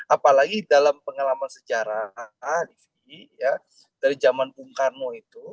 apalagi dalam pengalaman sejarah alif ya dari zaman bung karno itu